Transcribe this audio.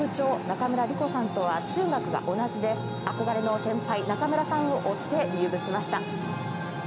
実は前の部長、中村里子さんとは中学が同じで憧れの先輩、中村さんを追って入部しました。